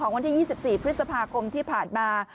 ของวันที่๒๔ภาคมที่ผ่านมา